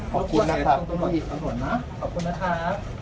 ขอบคุณนะครับขอบคุณนะขอบคุณนะครับ